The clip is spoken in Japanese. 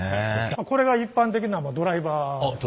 これが一般的なドライバーですね。